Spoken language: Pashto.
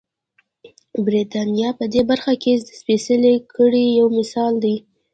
برېټانیا په دې برخه کې د سپېڅلې کړۍ یو مثال دی.